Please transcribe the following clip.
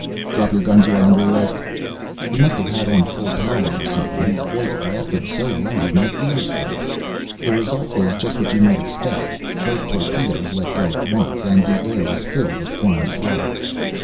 "DROP YOUR GUNS, YOU ARE UNDER ARREST." He must have had on full power or something, his voice blasted so loud my ears hurt. The result was just what you might expect. Both torpedoes let go at once and the air was filled with flying slugs.